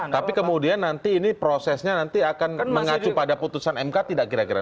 tapi kemudian nanti ini prosesnya nanti akan mengacu pada putusan mk tidak kira kira